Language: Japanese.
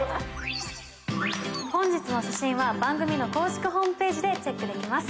本日の写真は番組の公式ホームページでチェックできます。